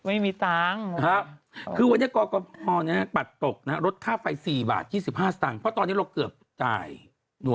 เอาแน่นอน